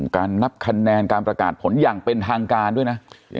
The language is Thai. การนับคะแนนการประกาศผลอย่างเป็นทางการด้วยนะ